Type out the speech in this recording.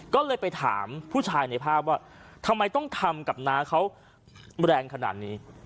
ก็เลยไปถามผู้ชายในภาพว่าทำไมต้องทำกับน้าเขาแรงขนาดนี้